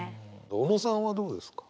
小野さんはどうですか？